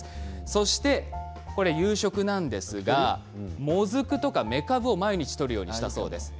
そして夕食なんですがもずくとかメカブを毎日とるようにしたそうです。